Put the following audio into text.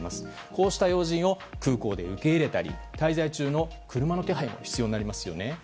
こうした要人を空港で受け入れたり滞在中の車の手配も必要になりますね。